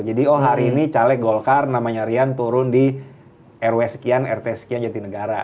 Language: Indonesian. jadi oh hari ini caleg golkar namanya rian turun di rw sekian rt sekian jantinegara